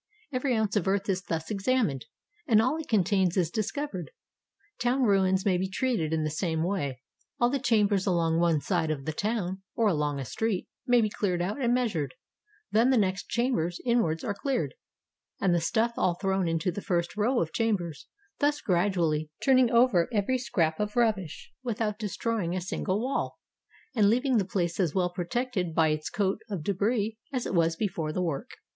Every oimce of earth is thus examined, and all it contains is discovered. Town ruins may be treated in the same way; all the chambers along one side of the town, or along a street, may be cleared out and measured; then the next chambers inwards are cleared, and the stuff all thrown into the first row of chambers; thus gradually turning over every scrap of rubbish without destroying a single wall, and leaving the place as well protected by its coat of debris as it was before the work.